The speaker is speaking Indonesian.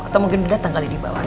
atau mungkin dia datang kali dibawah